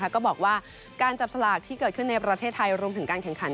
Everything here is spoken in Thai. ก็บอกว่าการจับสลากที่เกิดขึ้นในประเทศไทยรวมถึงการแข่งขัน